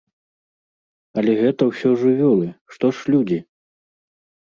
Але гэта ўсё жывёлы, што ж людзі?